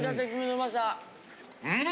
うん！